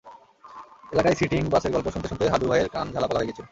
এলাকায় সিটিং বাসের গল্প শুনতে শুনতে হাদু ভাইয়ের কান ঝালাপালা হয়ে গিয়েছিল।